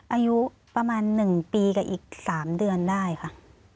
อายุประมาณ๑ปีกับอีก๓เดือนได้ค่ะ